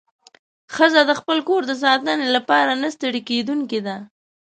ښځه د خپل کور د ساتنې لپاره نه ستړې کېدونکې ده.